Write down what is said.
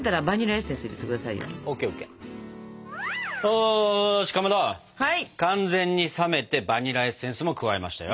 おしかまど完全に冷めてバニラエッセンスも加えましたよ。